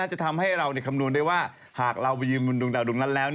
จะทำให้เราคำนวณได้ว่าหากเราไปยืนบนดวงดาวดวงนั้นแล้ว